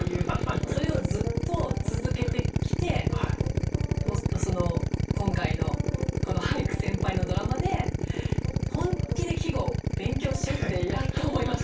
それをずっと続けてきて今回のこの「俳句先輩」のドラマで本気で季語を勉強しようってやっと思いました。